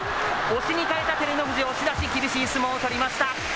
押しに変えた、照ノ富士、押し出し、厳しい相撲を取りました。